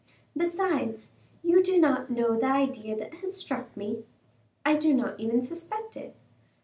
Besides, you do not know the idea that has struck me?" "I do not even suspect it."